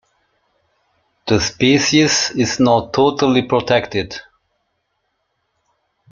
The species is now totally protected.